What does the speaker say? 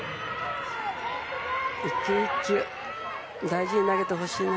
一球、一球、大事に投げてほしいな。